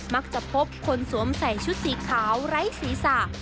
มักจะพบคนสวมใส่ชุดสีขาวไร้ศีรษะ